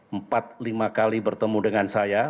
empat lima kali bertemu dengan saya